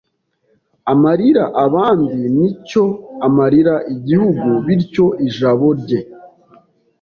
amarira abandi n’icyo amarira Igihugu, bityo ijabo rye